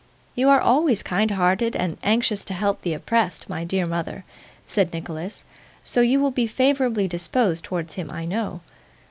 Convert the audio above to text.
'You are always kind hearted, and anxious to help the oppressed, my dear mother,' said Nicholas, 'so you will be favourably disposed towards him, I know.